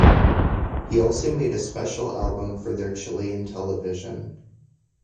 He also made a special album for their Chilean television.